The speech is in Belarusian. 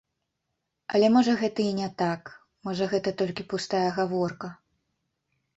Але можа гэта і не так, можа гэта толькі пустая гаворка.